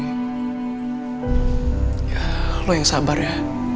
ya lo yang sabar ya